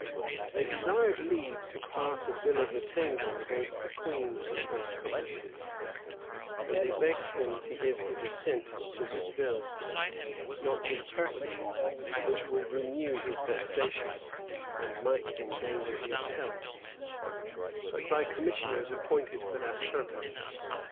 They desired leave to pass a bill of attainder against the queen and her accomplices; and they begged him to give his assent to this bill, not in person, which would renew his vexation, and might endanger his health, but by commissioners appointed for that purpose.